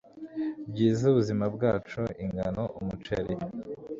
byiza ubuzima bwacu Ingano umuceri